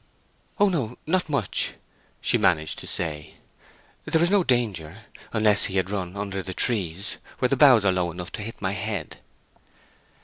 "Oh no, not much," she managed to say. "There was no danger—unless he had run under the trees where the boughs are low enough to hit my head."